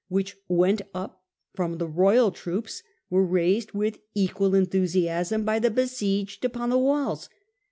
* which went up from the royal troops were raised with equal enthusiasm by the besieged upon the walls.